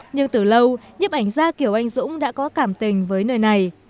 nhưng từ lâu nhiếp ảnh gia kiều anh dũng đã có cảm tình với nơi này